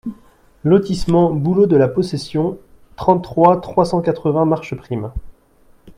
Lotissement Bouleaux de la Possession, trente-trois, trois cent quatre-vingts Marcheprime